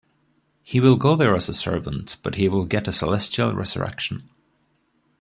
He will go there as a servant, but he will get a celestial resurrection.